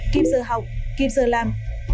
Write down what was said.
kịp giờ học kịp giờ làm